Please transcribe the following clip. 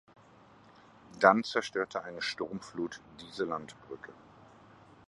Dann zerstörte eine Sturmflut diese Landbrücke.